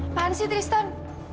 apaan sih tristan